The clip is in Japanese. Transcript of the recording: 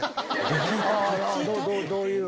どういう？